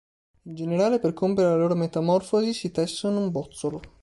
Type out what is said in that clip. In generale, per compiere la loro metamorfosi si tessono un bozzolo.